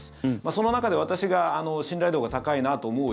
その中で私が信頼度が高いなと思う